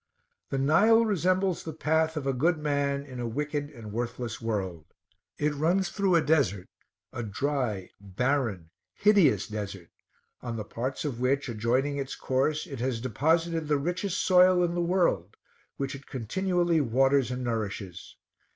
The Nile resembles the path of a good man in a wicked and worthless world. It runs through a desert a dry, barren, hideous desert; on the parts of which adjoining its course it has deposited the richest soil in the world, which it continually waters and nourishes.